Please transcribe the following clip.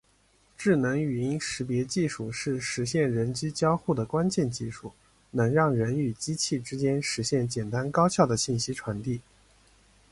智能语音识别技术是实现人机交互的关键技术，能让人与机器之间实现简单高效的信息传递。